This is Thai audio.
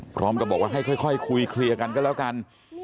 พร้อมกับบอกว่าให้ค่อยคุยเคลียร์กันก็แล้วกัน